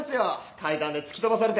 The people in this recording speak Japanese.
階段で突き飛ばされて。